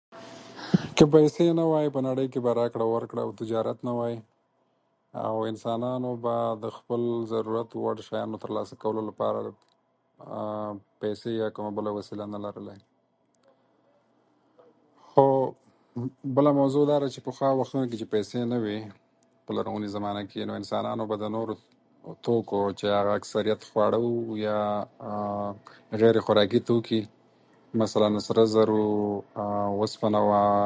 که پیسې نه وای، په نړۍ کې به راکړه ورکړه او تجارت نه وای او انسانانو به د خپل ضرورت وړ شیانو ترلاسه کولو لپاره، پیسې یا بله کومه وسیله نه لرلای. خو بله موضوع خو دا ده چې پخوا وختونو کې چې پیسې نه وې، په لرغونې زمانه کې، نو انسانانو به د نورو توکو چې هغه اکثریت خواړه وو، یا غیرخوراکي توکي مثلاً سره زر وو، اوسپنه وه